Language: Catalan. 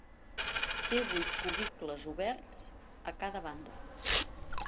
Té vuit cubicles oberts a cada banda.